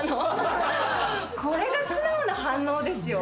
これが素直な反応ですよ。